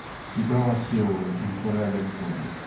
Si trova a Seul, in Corea del Sud.